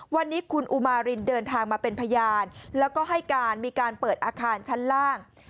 วันนี้คุณอุมารินเดินทางมาเป็นพยานแล้วก็ให้การมีการเปิดอาคารชั้นล่าง